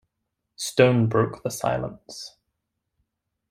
Stone broke the silence.